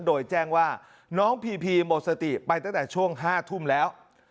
โดยแจ้งว่าน้องพีพีหมดสติไปตั้งแต่ช่วง๕ทุ่มแล้ว